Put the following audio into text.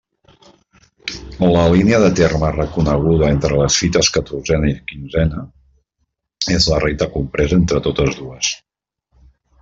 La línia de terme reconeguda entre les fites catorzena i quinzena és la recta compresa entre totes dues.